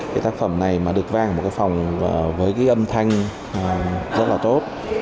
cái sản phẩm này mà được vang một cái phòng với cái âm thanh rất là tốt